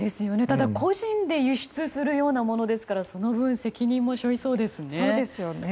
ただ、個人で輸出するようなものですからその分、責任もしょいそうですね。